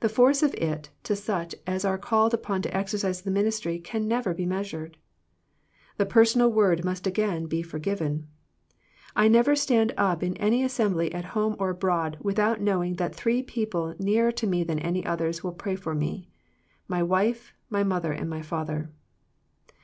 The force of it to such as are called upon to exercise the ministry can never be measured. The personal word must again be forgiven. I never stand up in any assembly at home or abroad without knowing that three people nearer to me than any others will pray for me, my wife, my mother and my father.